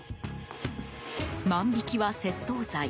万引きは窃盗罪。